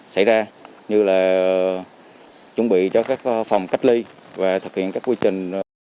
xảy ra như là chuẩn bị cho các phòng cách ly và thực hiện các quy trình